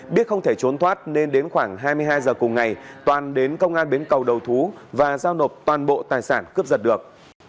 biết không thể trốn thoát nên đến khoảng hai mươi hai giờ cùng ngày toàn đến công an bến cầu đầu thú và giao nộp toàn bộ tài sản cướp giật được